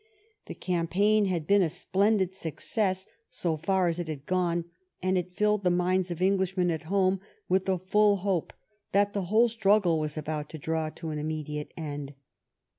The campaign had been a splendid success so far as it had gone, and it filled the minds of Englishmen at home with the full hope that the whole struggle was about to draw to an immediate end.